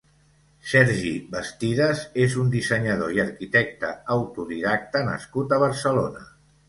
Sergi Bastidas és un dissenyador i arquitecte autodidacta nascut a Barcelona.